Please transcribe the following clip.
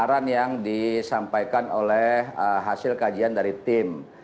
aparan yang disampaikan oleh hasil kajian dari tim